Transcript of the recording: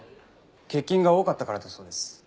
欠勤が多かったからだそうです。